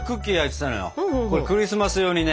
クリスマス用にね